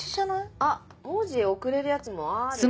あっ文字送れるやつもあるね。